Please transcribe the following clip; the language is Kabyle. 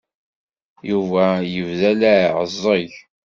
Yuba yebda la iɛeẓẓeg.